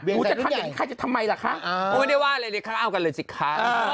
เวียงใสรุ่นใหญ่ค่ะจะทำไมล่ะค่ะเพราะไม่ได้ว่าอะไรเลยค่ะเอากันเลยสิค่ะ